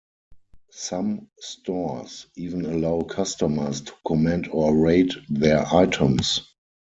Some stores even allow customers to comment or rate their items.